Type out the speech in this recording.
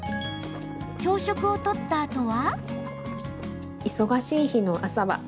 朝食をとったあとは？